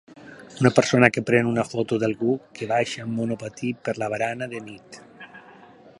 Una persona que pren una foto d'algú que baixa amb monopatí per la barana de nit.